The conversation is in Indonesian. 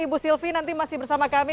ibu sylvi nanti masih bersama kami